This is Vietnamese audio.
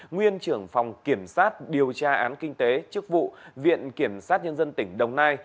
nguyên trưởng phòng kiểm sát điều tra án kinh tế chức vụ viện kiểm sát nhân dân tỉnh đồng nai